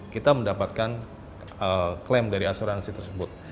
kita mendapatkan klaim dari asuransi tersebut